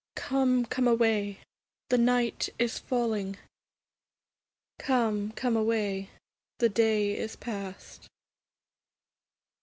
Come, come away, the night is falling; 'Come, come away, the day is past.'